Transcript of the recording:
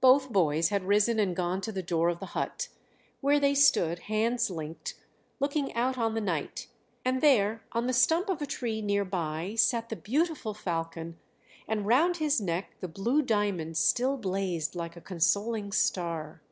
Both boys had risen and gone to the door of the hut, where they stood, hands linked, looking out on the night; and there on the stump of a tree near by sat the beautiful falcon, and round his neck the blue diamond still blazed like a consoling star.